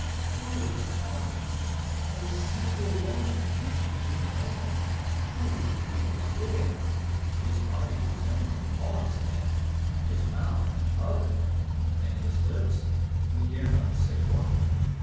who would have thought it? a single one answered to the call. Truly he was big enough. His body resembled a hogshead, his mouth an oven, and his lips we dare not say what.